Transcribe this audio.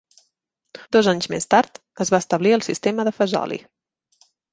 Dos anys més tard, es va establir el sistema de Fazoli.